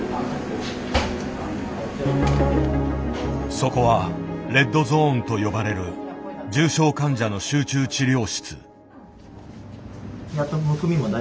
そこはレッドゾーンと呼ばれる重症患者の集中治療室。